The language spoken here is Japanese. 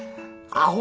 アホ。